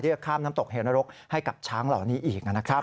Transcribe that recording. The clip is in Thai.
จะข้ามน้ำตกเหนรกให้กับช้างเหล่านี้อีกนะครับ